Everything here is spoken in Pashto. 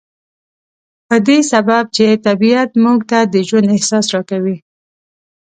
په دې سبب چې طبيعت موږ ته د ژوند احساس را کوي.